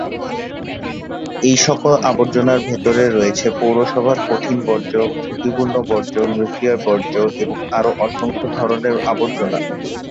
এইসকল আবর্জনার ভেতর রয়েছে পৌরসভার কঠিন বর্জ্য, ঝুঁকিপূর্ণ বর্জ্য, নিউক্লিয়ার বর্জ্য এবং আরও অসংখ্য ধরনের আবর্জনা।